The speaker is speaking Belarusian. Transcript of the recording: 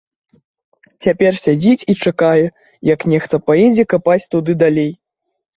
Цяпер сядзіць і чакае, як нехта паедзе капаць туды далей.